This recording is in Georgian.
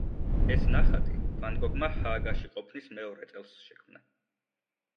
ეს ნახატი ვან გოგმა ჰააგაში ყოფნის მეორე წელს შექმნა.